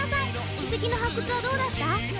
遺跡の発掘はどうだった？